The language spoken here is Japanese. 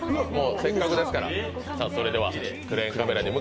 せっかくですから。